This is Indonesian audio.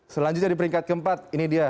selanjutnya di peringkat keempat ini dia